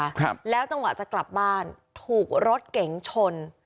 ครับแล้วจังหวะจะกลับบ้านถูกรถเก๋งชน